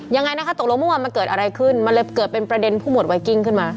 ยังไงนะคะตกลงเมื่อวานมันเกิดอะไรขึ้นมันเลยเกิดเป็นประเด็นผู้หมดไวกิ้งขึ้นมา